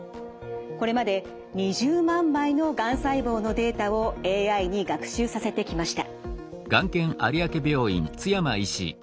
これまで２０万枚のがん細胞のデータをＡＩに学習させてきました。